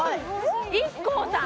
ＩＫＫＯさん